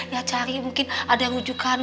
ya cari mungkin ada yang rujukan